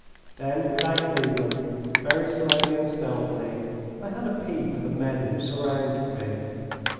Then, without movement, very slowly and stealthily I had a peep at the men who surrounded me.